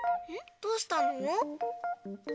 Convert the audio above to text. どうしたの？